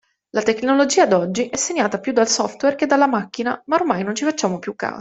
La tecnologia d'oggi è segnata più dal software che dalla macchina ma ormai non ci facciamo più caso.